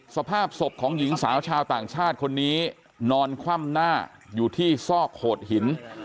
สภาพศพของหญิงสาวชาวต่างชาติคนนี้นอนคว่ำหน้าอยู่ที่ซอกโขดหิน